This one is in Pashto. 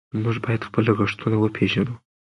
موږ باید خپل لګښتونه وپېژنو.